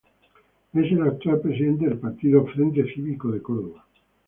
Es el actual presidente del partido Frente Cívico de Córdoba.